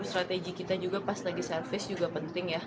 dan strategi kita juga pas lagi service juga penting ya